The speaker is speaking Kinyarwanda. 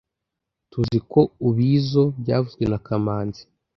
Tuziko ubizo byavuzwe na kamanzi